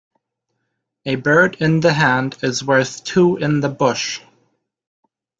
A bird in the hand is worth two in the bush.